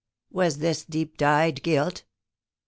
Was this deep dyed guilt ?